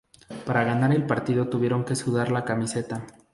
Para ganar el partido tuvieron que sudar la camiseta